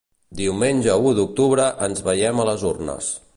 Diumenge u d’octubre ens veiem a les urnes.